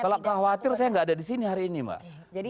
kalau khawatir saya gak ada disini hari ini mbak